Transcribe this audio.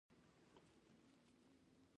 افغانستان د آب وهوا له پلوه متنوع دی.